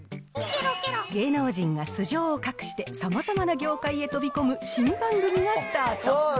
芸能人が素性を隠して、さまざまな業界へ飛び込む新番組がスタート。